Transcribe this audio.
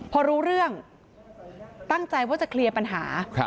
พอรู้เรื่องตั้งใจว่าจะเคลียร์ปัญหา